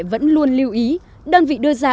vẫn luôn lưu ý đơn vị đưa ra